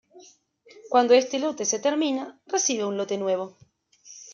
Cuando este lote se termina recibe un lote nuevo.